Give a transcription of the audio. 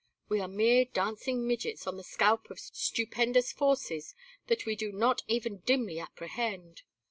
We are mere dancing midgets on the scalp of stupendous forces that we do not even dimly apprehend.